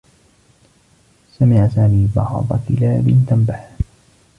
سمع سامي بعض كلاب تنبح.